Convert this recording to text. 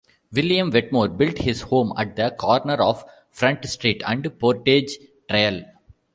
William Wetmore built his home at the corner of Front Street and Portage Trail.